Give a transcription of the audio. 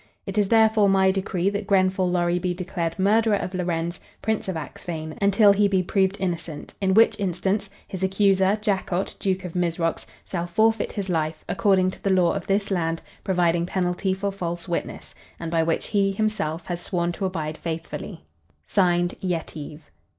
It is therefore my decree that Grenfall Lorry be declared murderer of Lorenz, Prince of Axphain, until he be proved innocent, in which instance, his accuser, Jacot, Duke of Mizrox, shall forfeit his life, according to the law of this land providing penalty for false witness, and by which he, himself, has sworn to abide faithfully. "Signed: Yetive."